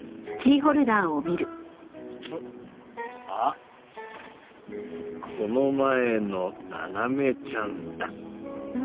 あっこの前のナナメちゃんだ！